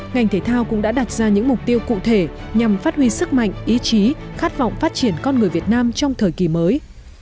ngành thể thao cũng đã đặt ra những mục tiêu cụ thể nhằm phát huy sức mạnh ý chí khát vọng phát triển con người việt nam trong thời kỳ mới